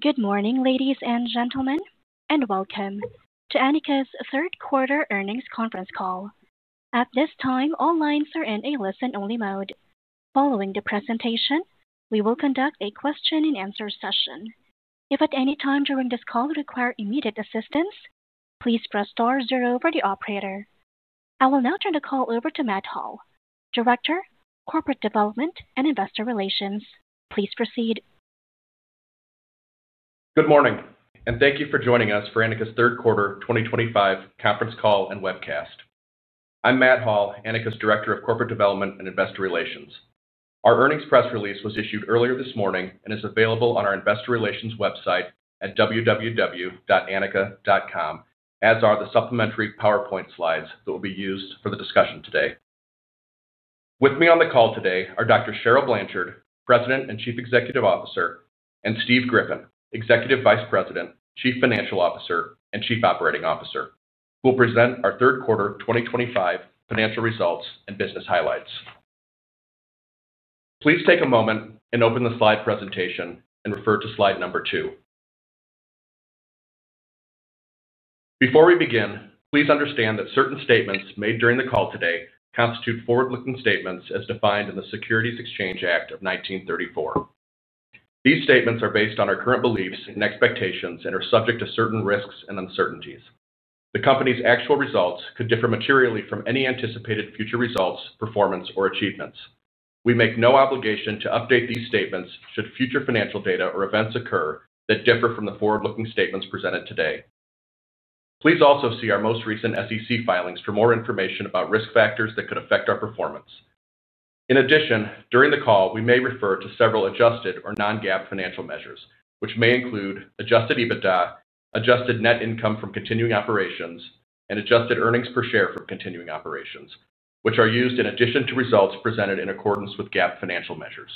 Good morning, ladies and gentlemen, and welcome to Anika's third quarter earnings conference call. At this time, all lines are in a listen-only mode. Following the presentation, we will conduct a question-and-answer session. If at any time during this call you require immediate assistance, please press star zero for the operator. I will now turn the call over to Matt Hall, Director, Corporate Development and Investor Relations. Please proceed. Good morning, and thank you for joining us for Anika's third quarter 2025 conference call and webcast. I'm Matt Hall, Anika's Director of Corporate Development and Investor Relations. Our earnings press release was issued earlier this morning and is available on our Investor Relations website at www.anika.com, as are the supplementary PowerPoint slides that will be used for the discussion today. With me on the call today are Dr. Cheryl Blanchard, President and Chief Executive Officer, and Steve Griffin, Executive Vice President, Chief Financial Officer, and Chief Operating Officer, who will present our third quarter 2025 financial results and business highlights. Please take a moment and open the slide presentation and refer to slide number two. Before we begin, please understand that certain statements made during the call today constitute forward-looking statements as defined in the Securities Exchange Act of 1934. These statements are based on our current beliefs and expectations and are subject to certain risks and uncertainties. The company's actual results could differ materially from any anticipated future results, performance, or achievements. We make no obligation to update these statements should future financial data or events occur that differ from the forward-looking statements presented today. Please also see our most recent SEC filings for more information about risk factors that could affect our performance. In addition, during the call, we may refer to several adjusted or non-GAAP financial measures, which may include adjusted EBITDA, adjusted net income from continuing operations, and adjusted earnings per share from continuing operations, which are used in addition to results presented in accordance with GAAP financial measures.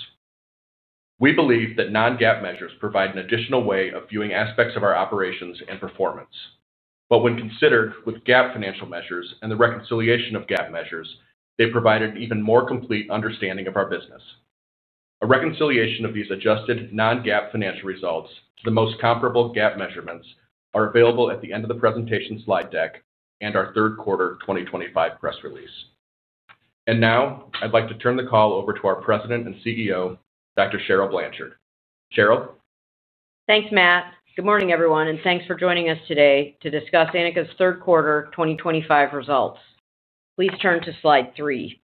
We believe that non-GAAP measures provide an additional way of viewing aspects of our operations and performance. When considered with GAAP financial measures and the reconciliation of GAAP measures, they provide an even more complete understanding of our business. A reconciliation of these adjusted non-GAAP financial results to the most comparable GAAP measurements is available at the end of the presentation slide deck and our third quarter 2025 press release. Now, I'd like to turn the call over to our President and CEO, Dr. Cheryl Blanchard. Cheryl. Thanks, Matt. Good morning, everyone, and thanks for joining us today to discuss Anika's third quarter 2025 results. Please turn to slide three.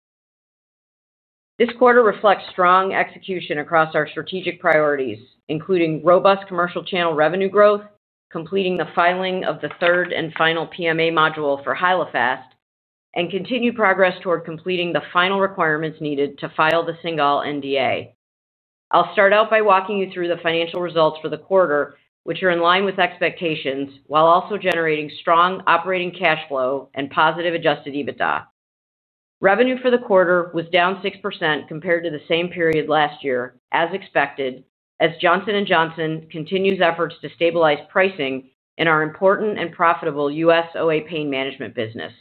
This quarter reflects strong execution across our strategic priorities, including robust commercial channel revenue growth, completing the filing of the third and final PMA module for HYALOFAST, and continued progress toward completing the final requirements needed to file the single NDA. I'll start out by walking you through the financial results for the quarter, which are in line with expectations while also generating strong operating cash flow and positive adjusted EBITDA. Revenue for the quarter was down 6% compared to the same period last year, as expected, as Johnson & Johnson continues efforts to stabilize pricing in our important and OA Pain Management business,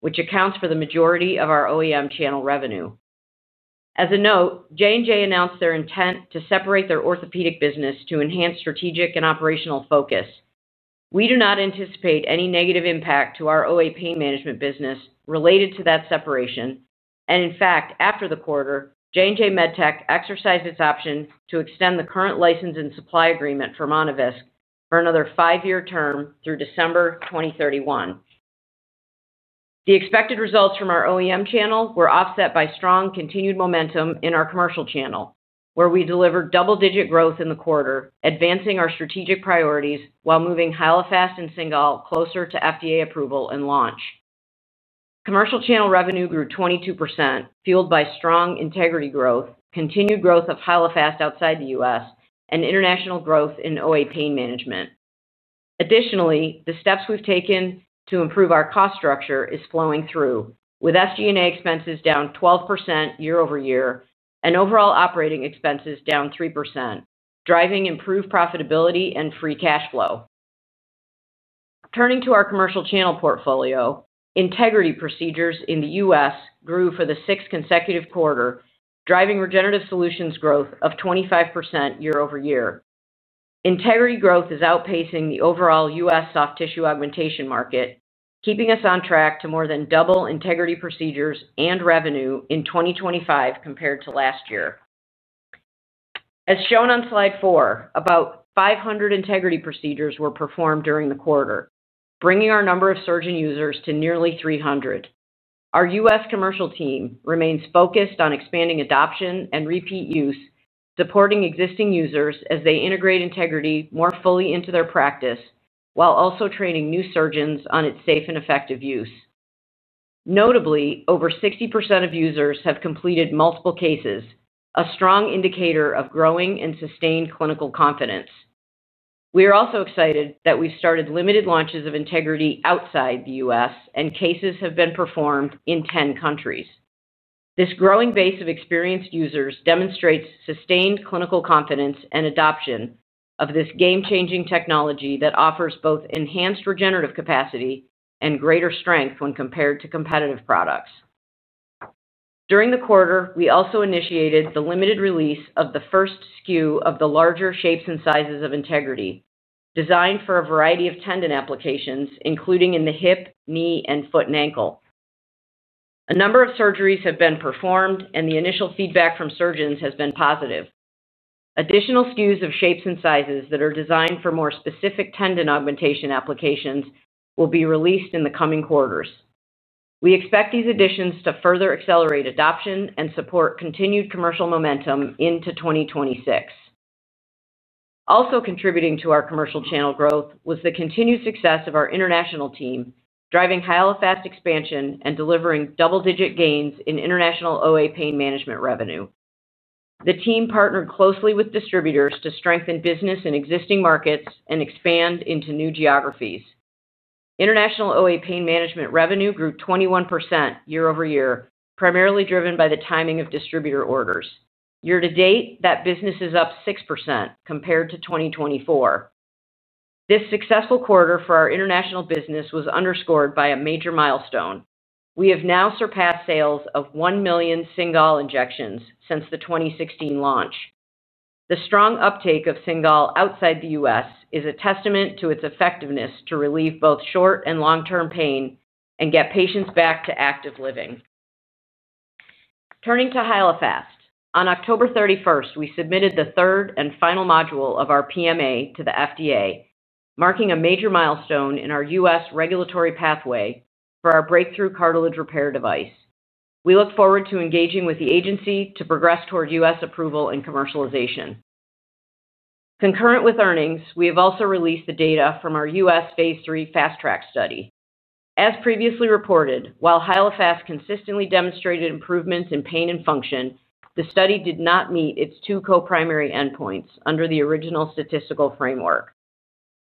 which accounts for the majority of our OEM channel revenue. As a note, J&J announced their intent to separate their orthopedic business to enhance strategic and operational focus. We do not anticipate any negative impact OA Pain Management business related to that separation. In fact, after the quarter, J&J MedTech exercised its option to extend the current license and supply agreement for Monovisc for another five-year term through December 2031. The expected results from our OEM channel were offset by strong continued momentum in our commercial channel, where we delivered double-digit growth in the quarter, advancing our strategic priorities while moving HYALOFAST and CINGAL closer to FDA approval and launch. Commercial channel revenue grew 22%, fueled by strong Integrity growth, continued growth of HYALOFAST outside the U.S., and international growth in OA Pain Management. Additionally, the steps we've taken to improve our cost structure are flowing through, with SG&A expenses down 12% year-over-year and overall operating expenses down 3%, driving improved profitability and free cash flow. Turning to our commercial channel portfolio, Integrity procedures in the U.S. grew for the sixth consecutive quarter, driving regenerative solutions growth of 25% year-over-year. Integrity growth is outpacing the overall U.S. soft tissue augmentation market, keeping us on track to more than double Integrity procedures and revenue in 2025 compared to last year. As shown on slide four, about 500 Integrity procedures were performed during the quarter, bringing our number of surgeon users to nearly 300. Our U.S. commercial team remains focused on expanding adoption and repeat use, supporting existing users as they integrate Integrity more fully into their practice while also training new surgeons on its safe and effective use. Notably, over 60% of users have completed multiple cases, a strong indicator of growing and sustained clinical confidence. We are also excited that we've started limited launches of Integrity outside the U.S., and cases have been performed in 10 countries. This growing base of experienced users demonstrates sustained clinical confidence and adoption of this game-changing technology that offers both enhanced regenerative capacity and greater strength when compared to competitive products. During the quarter, we also initiated the limited release of the first SKU of the larger shapes and sizes of Integrity, designed for a variety of tendon applications, including in the hip, knee, and foot and ankle. A number of surgeries have been performed, and the initial feedback from surgeons has been positive. Additional SKUs of shapes and sizes that are designed for more specific tendon augmentation applications will be released in the coming quarters. We expect these additions to further accelerate adoption and support continued commercial momentum into 2026. Also contributing to our commercial channel growth was the continued success of our international team, driving HYALOFAST expansion and delivering double-digit gains OA Pain Management revenue. the team partnered closely with distributors to strengthen business in existing markets and expand into new OA Pain Management revenue grew 21% year-over-year, primarily driven by the timing of distributor orders. Year to date, that business is up 6% compared to 2024. This successful quarter for our international business was underscored by a major milestone. We have now surpassed sales of 1 million CINGAL injections since the 2016 launch. The strong uptake of CINGAL outside the U.S. is a testament to its effectiveness to relieve both short and long-term pain and get patients back to active living. Turning to HYALOFAST, on October 31st, we submitted the third and final module of our PMA to the FDA, marking a major milestone in our U.S. regulatory pathway for our breakthrough cartilage repair device. We look forward to engaging with the agency to progress toward U.S. approval and commercialization. Concurrent with earnings, we have also released the data from our U.S. phase III FastTRACK study. As previously reported, while HYALOFAST consistently demonstrated improvements in pain and function, the study did not meet its two co-primary endpoints under the original statistical framework.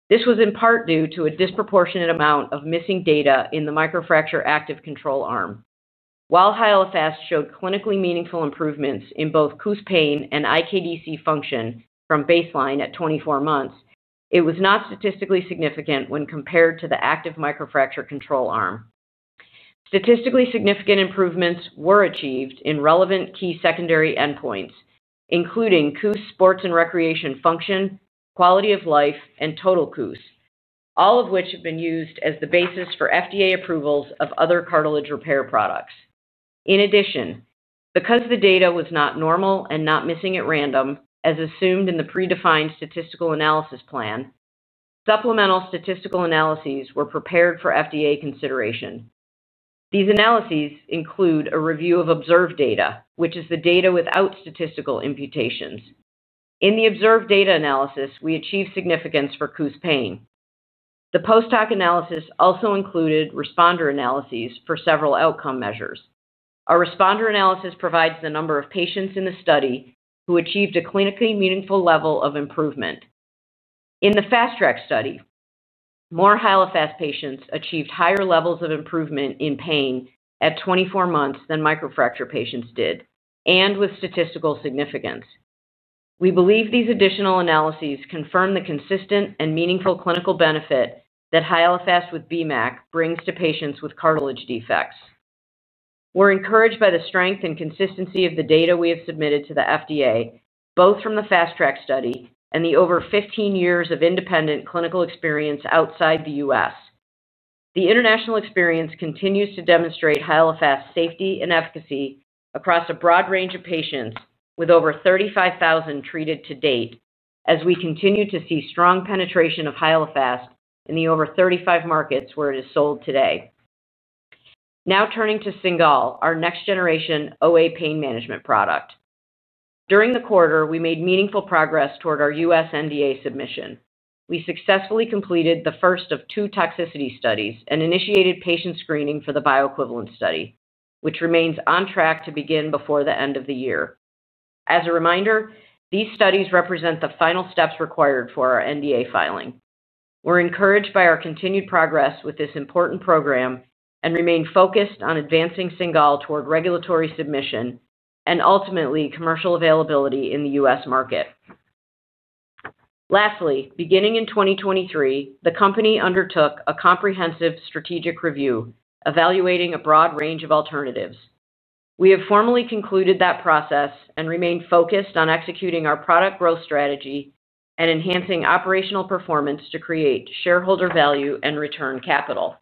This was in part due to a disproportionate amount of missing data in the microfracture active control arm. While HYALOFAST showed clinically meaningful improvements in both KOOS pain and IKDC function from baseline at 24 months, it was not statistically significant when compared to the active microfracture control arm. Statistically significant improvements were achieved in relevant key secondary endpoints, including KOOS sports and recreation function, quality of life, and total KOOS, all of which have been used as the basis for FDA approvals of other cartilage repair products. In addition, because the data was not normal and not missing at random, as assumed in the predefined statistical analysis plan, supplemental statistical analyses were prepared for FDA consideration. These analyses include a review of observed data, which is the data without statistical imputations. In the observed data analysis, we achieved significance for KOOS pain. The post-hoc analysis also included responder analyses for several outcome measures. Our responder analysis provides the number of patients in the study who achieved a clinically meaningful level of improvement. In the FastTRACK study, more HYALOFAST patients achieved higher levels of improvement in pain at 24 months than microfracture patients did, and with statistical significance. We believe these additional analyses confirm the consistent and meaningful clinical benefit that HYALOFAST with BMAC brings to patients with cartilage defects. We're encouraged by the strength and consistency of the data we have submitted to the FDA, both from the FastTRACK study and the over 15 years of independent clinical experience outside the U.S. The international experience continues to demonstrate HYALOFAST's safety and efficacy across a broad range of patients, with over 35,000 treated to date, as we continue to see strong penetration of HYALOFAST in the over 35 markets where it is sold today. Now turning to CINGAL, OA Pain Management product. during the quarter, we made meaningful progress toward our U.S. NDA submission. We successfully completed the first of two toxicity studies and initiated patient screening for the bioequivalent study, which remains on track to begin before the end of the year. As a reminder, these studies represent the final steps required for our NDA filing. We're encouraged by our continued progress with this important program and remain focused on advancing CINGAL toward regulatory submission and ultimately commercial availability in the U.S. market. Lastly, beginning in 2023, the company undertook a comprehensive strategic review, evaluating a broad range of alternatives. We have formally concluded that process and remain focused on executing our product growth strategy and enhancing operational performance to create shareholder value and return capital.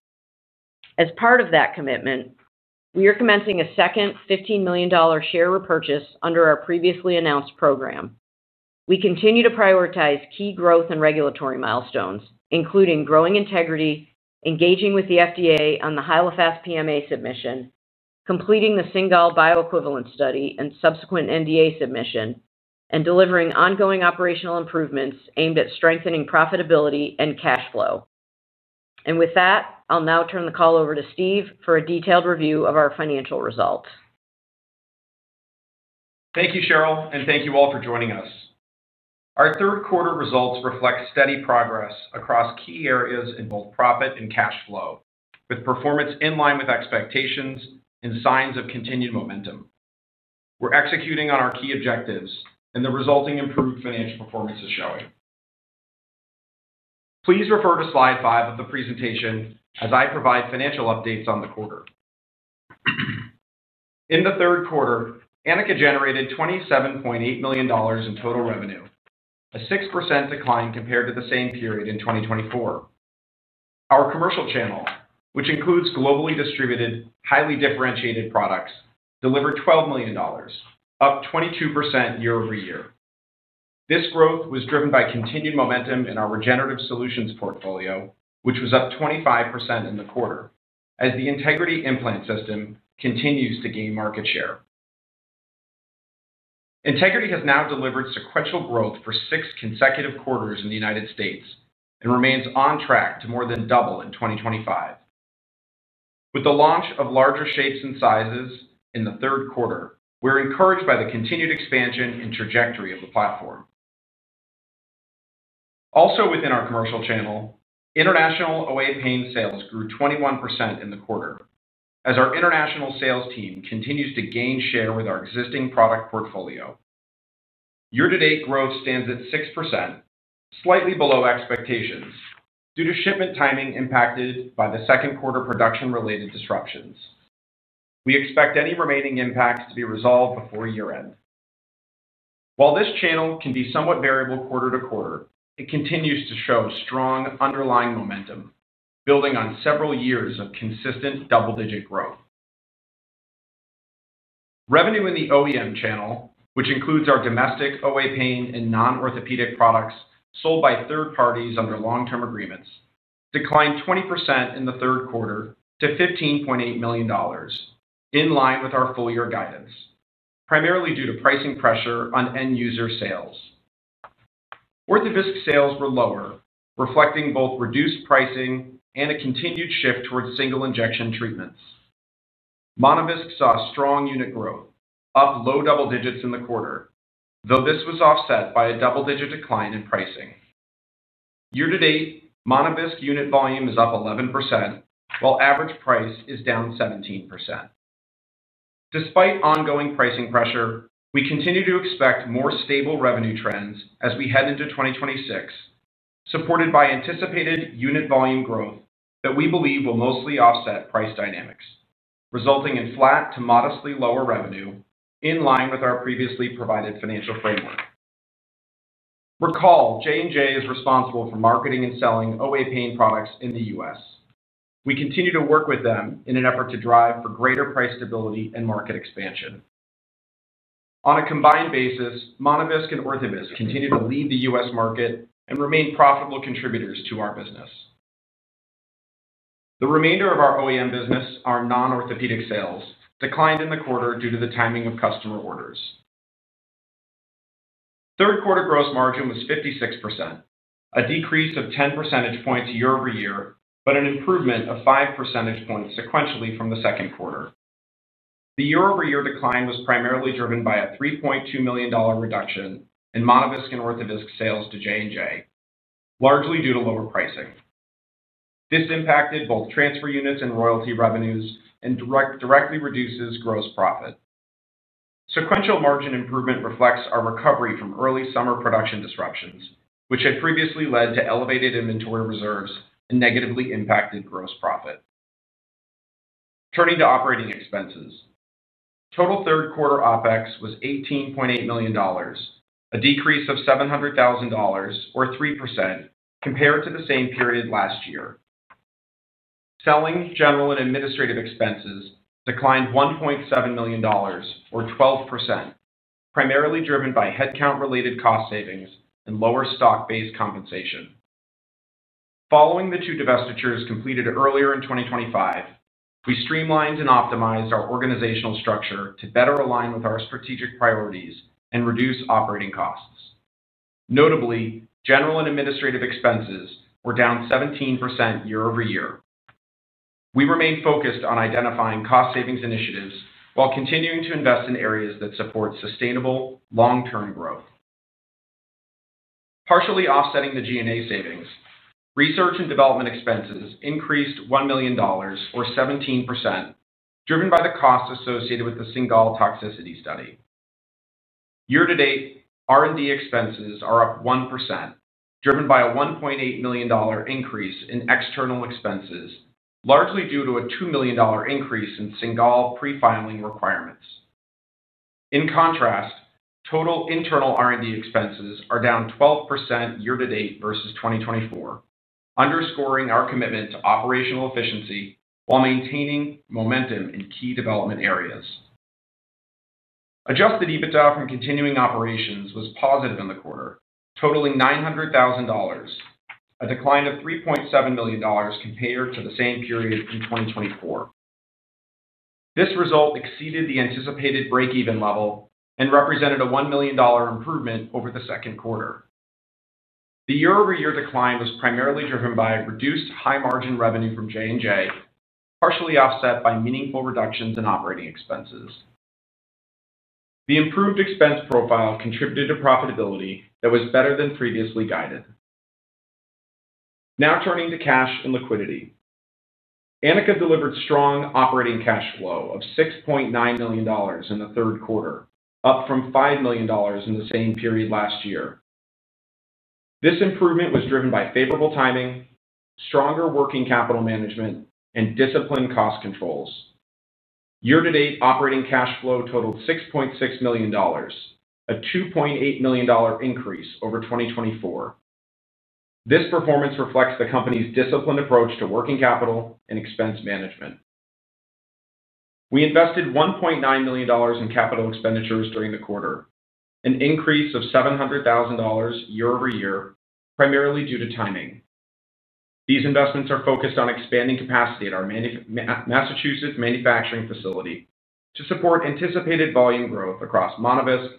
As part of that commitment, we are commencing a second $15 million share repurchase under our previously announced program. We continue to prioritize key growth and regulatory milestones, including growing Integrity, engaging with the FDA on the HYALOFAST PMA submission, completing the CINGAL bioequivalent study and subsequent NDA submission, and delivering ongoing operational improvements aimed at strengthening profitability and cash flow. With that, I'll now turn the call over to Steve for a detailed review of our financial results. Thank you, Cheryl, and thank you all for joining us. Our third quarter results reflect steady progress across key areas in both profit and cash flow, with performance in line with expectations and signs of continued momentum. We're executing on our key objectives, and the resulting improved financial performance is showing. Please refer to slide five of the presentation as I provide financial updates on the quarter. In the third quarter, Anika generated $27.8 million in total revenue, a 6% decline compared to the same period in 2024. Our commercial channel, which includes globally distributed, highly differentiated products, delivered $12 million, up 22% year-over-year. This growth was driven by continued momentum in our regenerative solutions portfolio, which was up 25% in the quarter, as the Integrity Implant System continues to gain market share. Integrity has now delivered sequential growth for six consecutive quarters in the U.S. and remains on track to more than double in 2025. With the launch of larger shapes and sizes in the third quarter, we're encouraged by the continued expansion and trajectory of the platform. Also, within our commercial channel, international OA pain sales grew 21% in the quarter, as our international sales team continues to gain share with our existing product portfolio. Year-to-date growth stands at 6%, slightly below expectations due to shipment timing impacted by the second quarter production-related disruptions. We expect any remaining impacts to be resolved before year-end. While this channel can be somewhat variable quarter to quarter, it continues to show strong underlying momentum, building on several years of consistent double-digit growth. Revenue in the OEM channel, which includes our domestic OA Pain and non-orthopedic products sold by third parties under long-term agreements, declined 20% in the third quarter to $15.8 million, in line with our full-year guidance, primarily due to pricing pressure on end-user sales. Orthovisc sales were lower, reflecting both reduced pricing and a continued shift toward single injection treatments. Monovisc saw strong unit growth, up low double digits in the quarter, though this was offset by a double-digit decline in pricing. Year to date, Monovisc unit volume is up 11%, while average price is down 17%. Despite ongoing pricing pressure, we continue to expect more stable revenue trends as we head into 2026. Supported by anticipated unit volume growth that we believe will mostly offset price dynamics, resulting in flat to modestly lower revenue, in line with our previously provided financial framework. Recall, J&J is responsible for marketing and selling OA Pain products in the U.S. We continue to work with them in an effort to drive for greater price stability and market expansion. On a combined basis, Monovisc and Orthovisc continue to lead the U.S. market and remain profitable contributors to our business. The remainder of our OEM business, our non-orthopedic sales, declined in the quarter due to the timing of customer orders. Third quarter gross margin was 56%, a decrease of 10 percentage points year-over-year, but an improvement of 5 percentage points sequentially from the second quarter. The year-over-year decline was primarily driven by a $3.2 million reduction in Monovisc and Orthovisc sales to J&J, largely due to lower pricing. This impacted both transfer units and royalty revenues and directly reduces gross profit. Sequential margin improvement reflects our recovery from early summer production disruptions, which had previously led to elevated inventory reserves and negatively impacted gross profit. Turning to operating expenses, total third quarter OpEx was $18.8 million, a decrease of $700,000 or 3% compared to the same period last year. Selling, general, and administrative expenses declined $1.7 million, or 12%, primarily driven by headcount-related cost savings and lower stock-based compensation. Following the two divestitures completed earlier in 2025, we streamlined and optimized our organizational structure to better align with our strategic priorities and reduce operating costs. Notably, general and administrative expenses were down 17% year-over-year. We remained focused on identifying cost savings initiatives while continuing to invest in areas that support sustainable long-term growth. Partially offsetting the G&A savings, research and development expenses increased $1 million, or 17%, driven by the cost associated with the CINGAL toxicity study. Year to date, R&D expenses are up 1%, driven by a $1.8 million increase in external expenses, largely due to a $2 million increase in CINGAL pre-filing requirements. In contrast, total internal R&D expenses are down 12% year to date versus 2024, underscoring our commitment to operational efficiency while maintaining momentum in key development areas. Adjusted EBITDA from continuing operations was positive in the quarter, totaling $900,000. A decline of $3.7 million compared to the same period in 2024. This result exceeded the anticipated break-even level and represented a $1 million improvement over the second quarter. The year-over-year decline was primarily driven by reduced high-margin revenue from J&J, partially offset by meaningful reductions in operating expenses. The improved expense profile contributed to profitability that was better than previously guided. Now turning to cash and liquidity. Anika delivered strong operating cash flow of $6.9 million in the third quarter, up from $5 million in the same period last year. This improvement was driven by favorable timing, stronger working capital management, and disciplined cost controls. Year to date, operating cash flow totaled $6.6 million, a $2.8 million increase over 2024. This performance reflects the company's disciplined approach to working capital and expense management. We invested $1.9 million in capital expenditures during the quarter, an increase of $700,000 year-over-year, primarily due to timing. These investments are focused on expanding capacity at our Massachusetts manufacturing facility to support anticipated volume growth across Monovisc,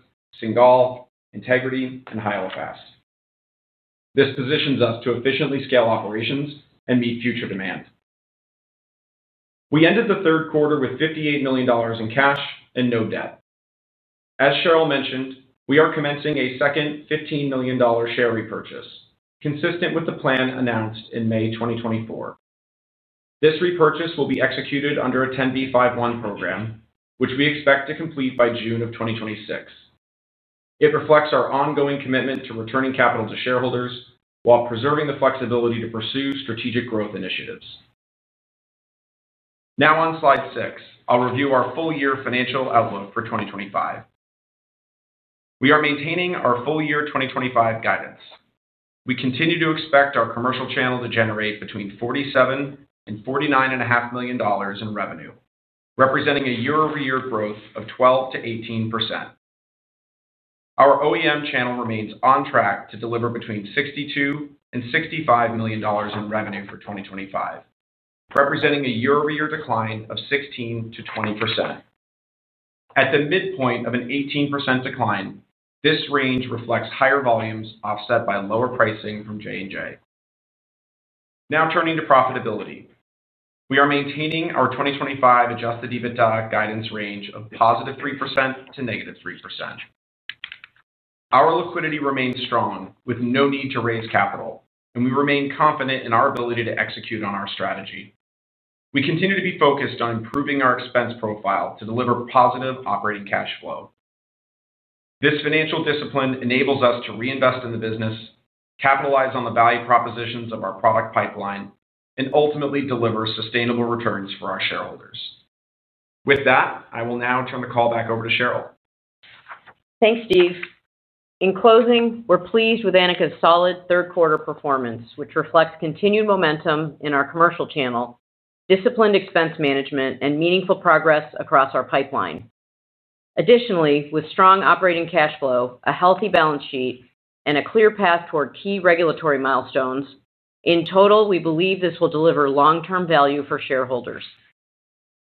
CINGAL, Integrity, and HYALOFAST. This positions us to efficiently scale operations and meet future demand. We ended the third quarter with $58 million in cash and no debt. As Cheryl mentioned, we are commencing a second $15 million share repurchase, consistent with the plan announced in May 2024. This repurchase will be executed under a 10b5-1 program, which we expect to complete by June of 2026. It reflects our ongoing commitment to returning capital to shareholders while preserving the flexibility to pursue strategic growth initiatives. Now on slide six, I'll review our full-year financial outlook for 2025. We are maintaining our full-year 2025 guidance. We continue to expect our commercial channel to generate between $47 million and $49.5 million in revenue, representing a year-over-year growth of 12%-18%. Our OEM channel remains on track to deliver between $62 million and $65 million in revenue for 2025, representing a year-over-year decline of 16%-20%. At the midpoint of an 18% decline, this range reflects higher volumes offset by lower pricing from J&J. Now turning to profitability. We are maintaining our 2025 adjusted EBITDA guidance range of +3% to -3%. Our liquidity remains strong, with no need to raise capital, and we remain confident in our ability to execute on our strategy. We continue to be focused on improving our expense profile to deliver positive operating cash flow. This financial discipline enables us to reinvest in the business, capitalize on the value propositions of our product pipeline, and ultimately deliver sustainable returns for our shareholders. With that, I will now turn the call back over to Cheryl. Thanks, Steve. In closing, we're pleased with Anika's solid third-quarter performance, which reflects continued momentum in our commercial channel, disciplined expense management, and meaningful progress across our pipeline. Additionally, with strong operating cash flow, a healthy balance sheet, and a clear path toward key regulatory milestones, in total, we believe this will deliver long-term value for shareholders.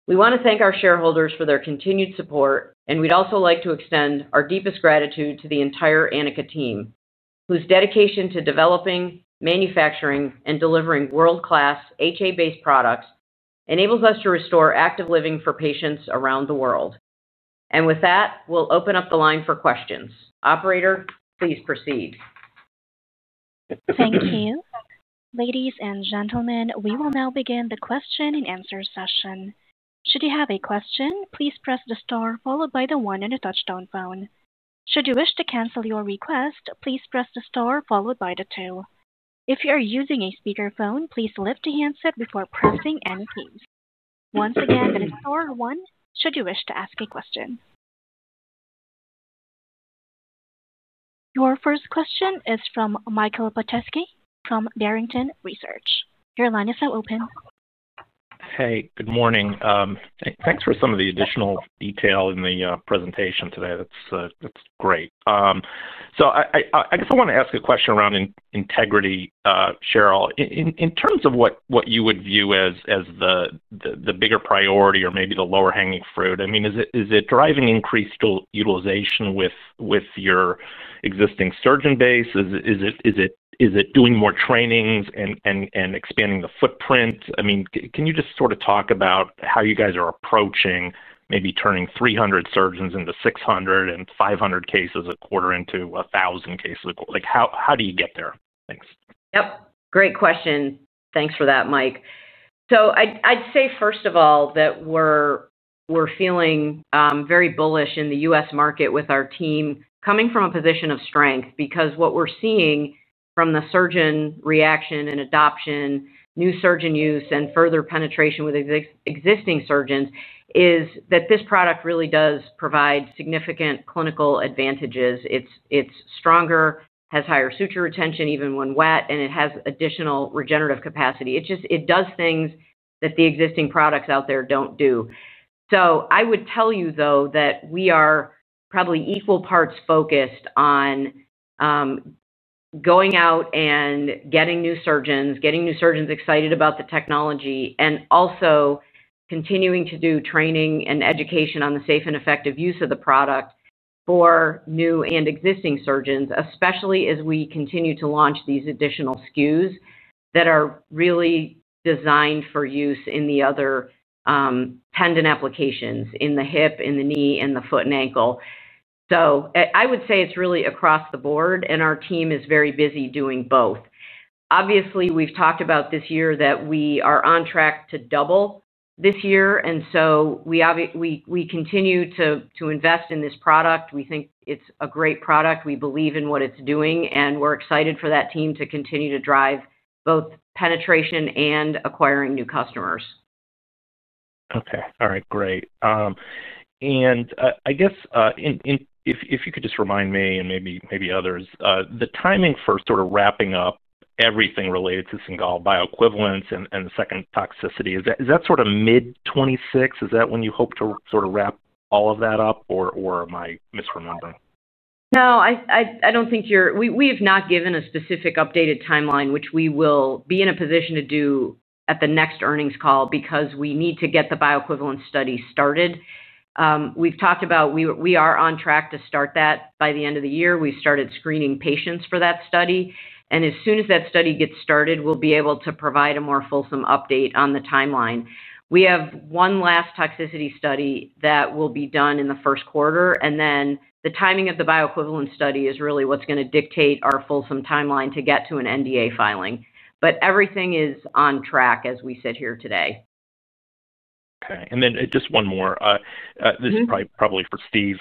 We want to thank our shareholders for their continued support, and we'd also like to extend our deepest gratitude to the entire Anika team, whose dedication to developing, manufacturing, and delivering world-class HA-based products enables us to restore active living for patients around the world. With that, we'll open up the line for questions. Operator, please proceed. Thank you. Ladies and gentlemen, we will now begin the question-and-answer session. Should you have a question, please press the star followed by the one on the touch-tone phone. Should you wish to cancel your request, please press the star followed by the two. If you are using a speakerphone, please lift the handset before pressing any keys. Once again, the star one, should you wish to ask a question. Your first question is from Michael Petusky from Barrington Research. Your line is now open. Hey, good morning. Thanks for some of the additional detail in the presentation today. That's great. I guess I want to ask a question around Integrity, Cheryl. In terms of what you would view as the bigger priority or maybe the lower-hanging fruit, I mean, is it driving increased utilization with your existing surgeon base? Is it doing more trainings and expanding the footprint? I mean, can you just sort of talk about how you guys are approaching maybe turning 300 surgeons into 600 and 500 cases a quarter into 1,000 cases a quarter? How do you get there? Thanks. Yep. Great question. Thanks for that, Mike. I'd say, first of all, that we're feeling very bullish in the U.S. market with our team coming from a position of strength because what we're seeing from the surgeon reaction and adoption, new surgeon use, and further penetration with existing surgeons is that this product really does provide significant clinical advantages. It's stronger, has higher suture retention even when wet, and it has additional regenerative capacity. It does things that the existing products out there don't do. I would tell you, though, that we are probably equal parts focused on going out and getting new surgeons, getting new surgeons excited about the technology, and also. Continuing to do training and education on the safe and effective use of the product for new and existing surgeons, especially as we continue to launch these additional SKUs that are really designed for use in the other tendon applications in the hip, in the knee, in the foot and ankle. I would say it's really across the board, and our team is very busy doing both. Obviously, we've talked about this year that we are on track to double this year, and we continue to invest in this product. We think it's a great product. We believe in what it's doing, and we're excited for that team to continue to drive both penetration and acquiring new customers. Okay. All right. Great. I guess if you could just remind me and maybe others, the timing for sort of wrapping up everything related to CINGAL bioequivalents and second toxicity, is that sort of mid-2026? Is that when you hope to sort of wrap all of that up, or am I misremembering? No, I don't think you're—we have not given a specific updated timeline, which we will be in a position to do at the next earnings call because we need to get the bioequivalent study started. We've talked about we are on track to start that by the end of the year. We've started screening patients for that study. As soon as that study gets started, we'll be able to provide a more fulsome update on the timeline. We have one last toxicity study that will be done in the first quarter, and the timing of the bioequivalent study is really what's going to dictate our fulsome timeline to get to an NDA filing. Everything is on track as we sit here today. Okay. And then just one more. This is probably for Steve.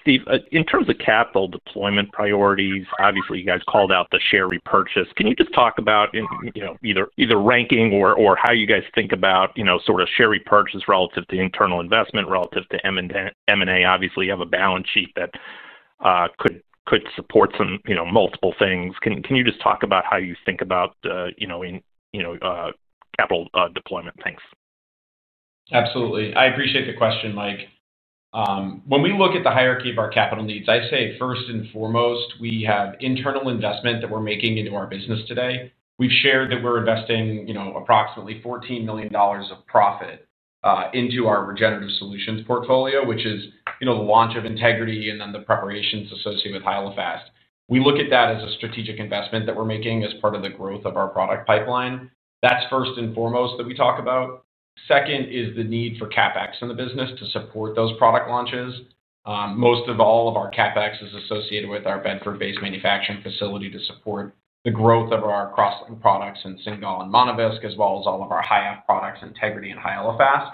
Steve, in terms of capital deployment priorities, obviously, you guys called out the share repurchase. Can you just talk about either ranking or how you guys think about sort of share repurchase relative to internal investment, relative to M&A? Obviously, you have a balance sheet that could support multiple things. Can you just talk about how you think about capital deployment things? Absolutely. I appreciate the question, Mike. When we look at the hierarchy of our capital needs, I say first and foremost, we have internal investment that we're making into our business today. We've shared that we're investing approximately $14 million of profit into our regenerative solutions portfolio, which is the launch of Integrity and then the preparations associated with HYALOFAST. We look at that as a strategic investment that we're making as part of the growth of our product pipeline. That's first and foremost that we talk about. Second is the need for CapEx in the business to support those product launches. Most of all of our CapEx is associated with our Bedford-based manufacturing facility to support the growth of our crossing products in CINGAL and Monovisc, as well as all of our high-end products, Integrity, and HYALOFAST.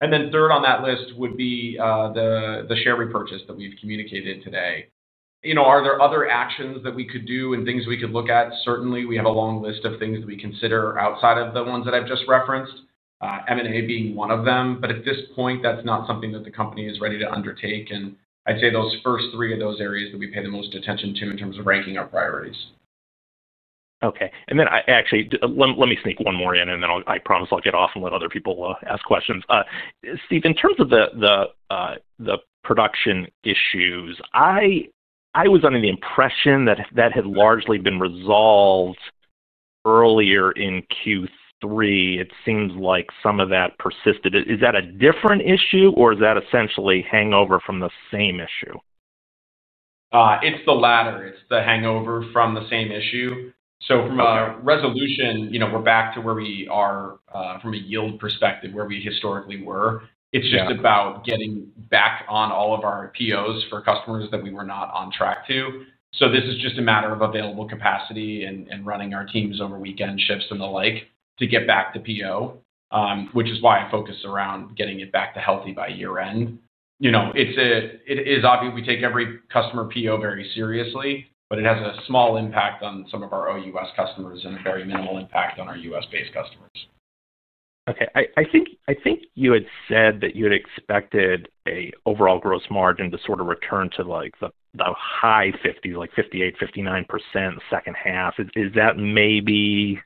Third on that list would be the share repurchase that we've communicated today. Are there other actions that we could do and things we could look at? Certainly, we have a long list of things that we consider outside of the ones that I've just referenced, M&A being one of them. At this point, that's not something that the company is ready to undertake. I'd say those first three are those areas that we pay the most attention to in terms of ranking our priorities. Okay. Actually, let me sneak one more in, and then I promise I'll get off and let other people ask questions. Steve, in terms of the production issues, I was under the impression that that had largely been resolved earlier in Q3. It seems like some of that persisted. Is that a different issue, or is that essentially hangover from the same issue? It's the latter. It's the hangover from the same issue. From a resolution, we're back to where we are from a yield perspective where we historically were. It's just about getting back on all of our POs for customers that we were not on track to. This is just a matter of available capacity and running our teams over weekend shifts and the like to get back to PO, which is why I focus around getting it back to healthy by year-end. It is obvious we take every customer PO very seriously, but it has a small impact on some of our OUS customers and a very minimal impact on our U.S.-based customers. Okay. I think you had said that you had expected an overall gross margin to sort of return to the high 50s, like 58%, 59% second half. Is that maybe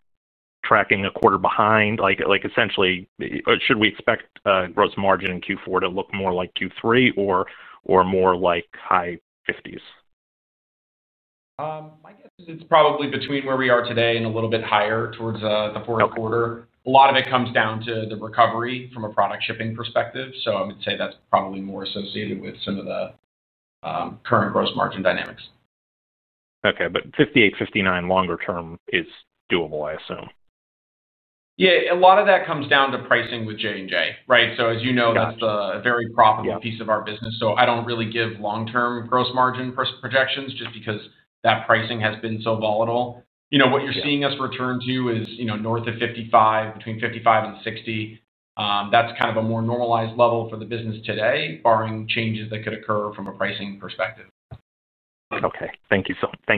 tracking a quarter behind? Essentially, should we expect a gross margin in Q4 to look more like Q3 or more like high 50s? I guess it's probably between where we are today and a little bit higher towards the fourth quarter. A lot of it comes down to the recovery from a product shipping perspective. I would say that's probably more associated with some of the current gross margin dynamics. Okay. But 58%, 59% longer term is doable, I assume? Yeah. A lot of that comes down to pricing with J&J, right? So as you know, that's a very profitable piece of our business. So I don't really give long-term gross margin projections just because that pricing has been so volatile. What you're seeing us return to is north of 55%, between 55% and 60%. That's kind of a more normalized level for the business today, barring changes that could occur from a pricing perspective. Okay. Thank you so much.